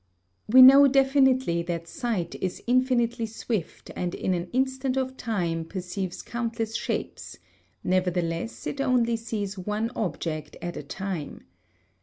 We know definitely that sight is infinitely swift and in an instant of time perceives countless shapes, nevertheless it only sees one object at a time.